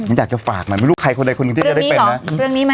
ผมอยากจะฝากมันไม่รู้ใครคนใดคนหนึ่งที่จะได้เป็นนะเรื่องนี้หรอเรื่องนี้ไหม